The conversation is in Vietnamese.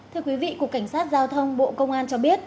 thưa quý vị cục cảnh sát giao thông bộ công an cho biết